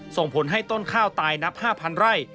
ส่งผลให้ต้นข้าวตายนับ๕๐๐ไร่